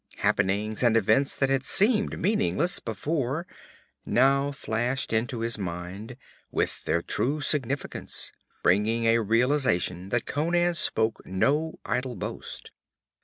Happenings and events that had seemed meaningless before now flashed into his mind, with their true significance, bringing a realization that Conan spoke no idle boast.